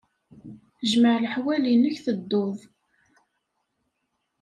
Jmeɛ leḥwal-nnek tedduḍ.